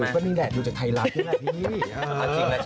ก็นี่แหละอยู่จากไทยรัฐด้วยแหละพี่